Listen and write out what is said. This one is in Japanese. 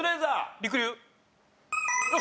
りくりゅう。